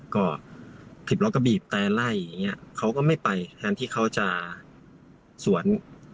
ก็ขับรถก็บีบแต่ไล่อย่างเงี้ยเขาก็ไม่ไปแทนที่เขาจะสวน